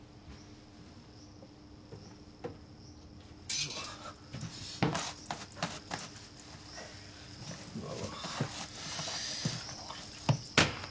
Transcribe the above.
うわうわ。